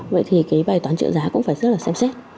vậy thì bài toán trợ giá cũng phải rất xem xét